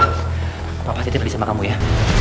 bapak tidak bisa pergi sama kamu ya